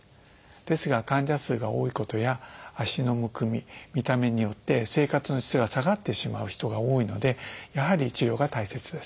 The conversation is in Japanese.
ですが患者数が多いことや足のむくみ見た目によって生活の質が下がってしまう人が多いのでやはり治療が大切です。